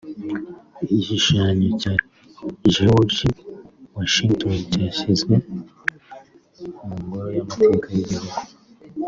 igishushanyo cya George Washington cyashyizwe mu ngoro y’amateka y’igihugu